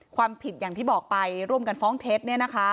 ความผิดอย่างที่บอกไปร่วมกันฟ้องเท็จ